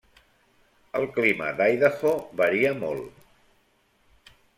El clima d'Idaho varia molt.